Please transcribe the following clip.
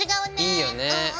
いいよね。